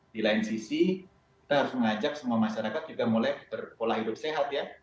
di lain sisi kita harus mengajak semua masyarakat juga mulai berpola hidup sehat ya